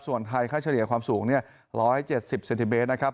ส่วนไทยค่าเฉลี่ยความสูง๑๗๐เซนติเมตรนะครับ